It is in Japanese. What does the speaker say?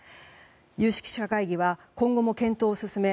有識者会議は今後も検討を進め